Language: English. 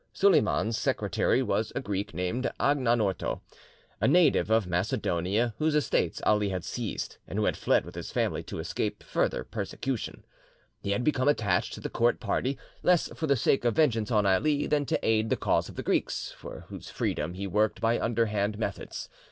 Suleyman's secretary was a Greek called Anagnorto, a native of Macedonia, whose estates Ali had seized, and who had fled with his family to escape further persecution. He had become attached to the court party, less for the sake of vengeance on Ali than to aid the cause of the Greeks, for whose freedom he worked by underhand methods.